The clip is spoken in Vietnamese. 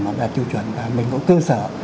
mà đạt tiêu chuẩn và mình có cơ sở